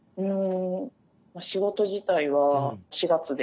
うん。